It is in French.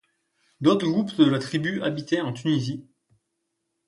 D'autres groupes de la tribu habitaient en Tunisie.